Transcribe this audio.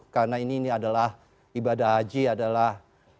karena ini adalah ibadah haji adalah